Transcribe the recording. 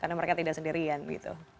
karena mereka tidak sendirian gitu